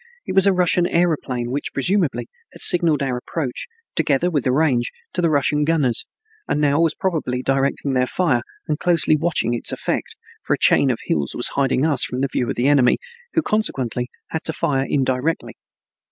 It was a Russian aeroplane which presumably had signaled our approach, together with the range, to the Russian gunners, and now was probably directing their fire and closely watching its effect, for a chain of hills was hiding us from the view of the enemy, who consequently had to fire indirectly.